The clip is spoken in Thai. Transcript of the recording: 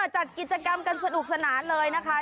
จัดกิจกรรมกันสนุกสนานเลยนะคะ